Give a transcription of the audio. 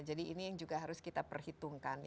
jadi ini yang juga harus kita perhitungkan